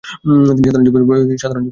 তিনি সাধারণ জীবন যাপন করেছিলেন।